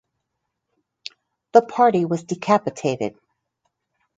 The party was decapitated.